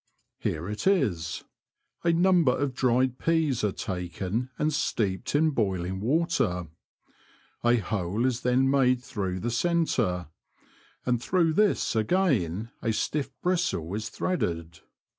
Here it is : A number of dried peas are taken and steeped in boiling water ; a hole is then made through the centre, and through this again a stiff bristle is threaded.